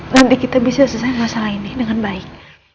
nanti kita bisa selesaikan masalah ini dengan baik